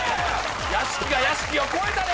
屋敷が屋敷を超えたで！